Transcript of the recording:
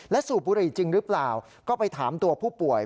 สูบบุหรี่จริงหรือเปล่าก็ไปถามตัวผู้ป่วย